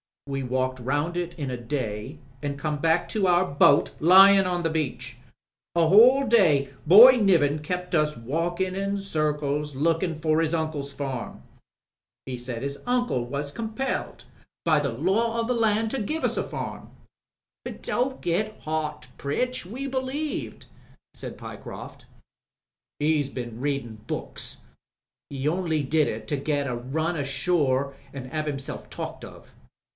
We walked round it in a day, an* come back to our boat lyin* on the beach. A whole day Boy Niven kept us walkin* in circles lookin* for *is uncle's farm I He said his uncle was compelled by the law of the land to give us a farmi" "Don't get hot, Pritch. We believed," said Pye croft. "He'd been readin' books. He only did it to get a run ashore an' have himself talked of.